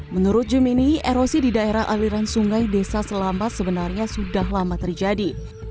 menurut jumini erosi di daerah aliran sungai desa selamat sebenarnya sudah lama terjadi